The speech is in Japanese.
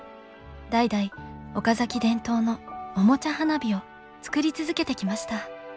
代々岡崎伝統のおもちゃ花火を作り続けてきました。